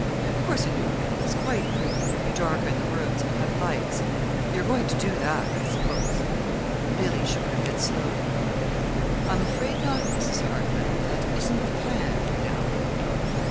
"Of course a noon wedding is quite pretty if you darken the rooms and have lights you're going to do that, I suppose?" Billy shook her head slowly. "I'm afraid not, Mrs. Hartwell. That isn't the plan, now."